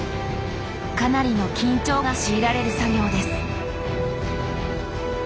かなりの緊張が強いられる作業です。